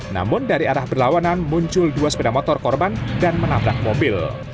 namun dari arah berlawanan muncul dua sepeda motor korban dan menabrak mobil